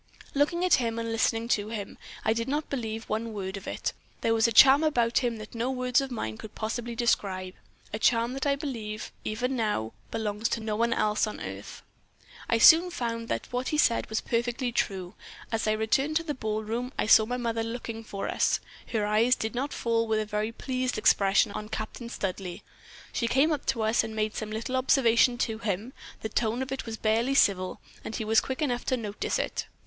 "Looking at him and listening to him, I did not believe one word of it. There was a charm about him that no words of mine could possibly describe a charm that I believe, even now, belongs to no one else on earth. I soon found that what he said was perfectly true. As I returned to the ball room I saw my mother looking for us. Her eyes did not fall with a very pleased expression on Captain Studleigh. She came up to us and made some little observation to him; the tone of it was barely civil, and he was quick enough to notice it.